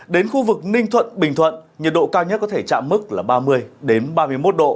đến khu vực ninh thuận bình thuận nhiệt độ cao nhất có thể chạm mức là ba mươi ba mươi một độ